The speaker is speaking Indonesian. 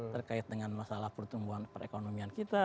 terkait dengan masalah pertumbuhan perekonomian kita